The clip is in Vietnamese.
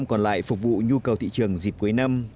sáu mươi còn lại phục vụ nhu cầu thị trường dịp cuối năm